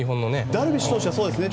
ダルビッシュ選手はそうですね。